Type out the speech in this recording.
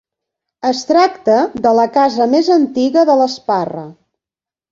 Es tracta de la casa més antiga de l'Esparra.